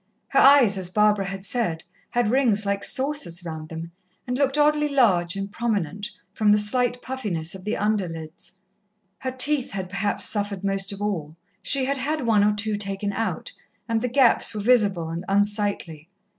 Her eyes, as Barbara had said, had rings like saucers round them, and looked oddly large and prominent, from the slight puffiness of the under lids. Her teeth had, perhaps, suffered most of all. She had had one or two taken out, and the gaps were visible and unsightly.